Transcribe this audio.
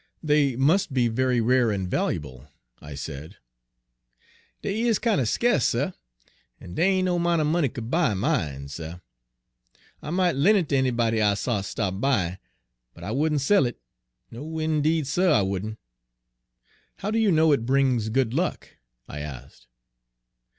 "They must be very rare and valuable," I said. "Dey is kinder ska'ce, suh, en dey ain' no 'mount er money could buy mine, Page 136 suh. I mought len' it ter anybody I sot sto' by, but I wouldn' sell it, no indeed, suh, I wouldn'." "How do you know it brings good luck?" I asked.